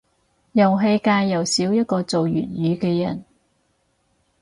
遊戲界又少一個做粵語嘅人